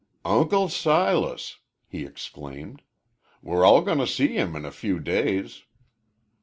"Uncle Silas!" he exclaimed. "We're all going to see him in a few days."